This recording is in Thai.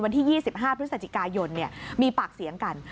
วันที่๒๕พฤศจิกายนมีปากเสียงกัน